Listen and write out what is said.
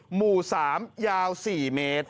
หมู่๓ยาว๔เมตร